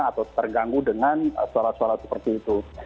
atau terganggu dengan suara suara seperti itu